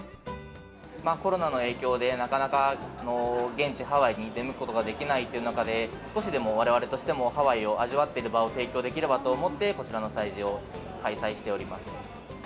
コロナの影響で、なかなか現地、ハワイに出向くことができないという中で、少しでもわれわれとしても、ハワイを味わっていただく場を提供できればと思って、こちらの催事を開催しております。